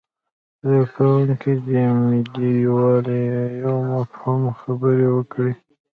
زده کوونکي دې د ملي یووالي په مفهوم خبرې وکړي.